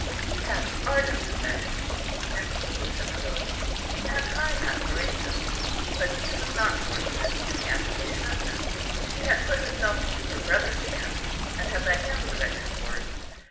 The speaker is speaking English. She had ardent affections, and keen sensibilities, and high aspirations; but she was not fortunate in the application of them. She had put herself into her brother's hands, and had let him direct her course.